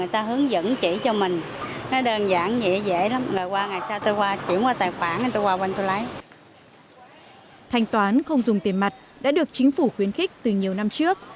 thành toán không dùng tiền mặt đã được chính phủ khuyến khích từ nhiều năm trước